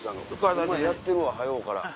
やってるわ早うから。